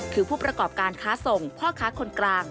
คือผู้ประกอบการค้าส่งพ่อค้าคนกลาง